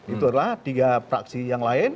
itu adalah tiga fraksi yang lain